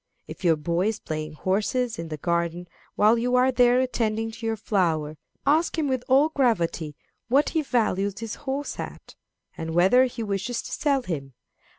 If your boy is playing horses in the garden while you are there attending to your flowers, ask him with all gravity what he values his horse at, and whether he wishes to sell him.